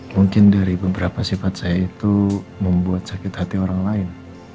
mungkin dari beberapa sifat saya itu membuat sakit hati orang lain